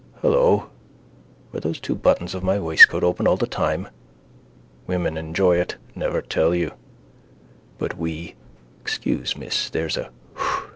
Hello. Were those two buttons of my waistcoat open all the time? Women enjoy it. Never tell you. But we. Excuse, miss, there's a (whh!)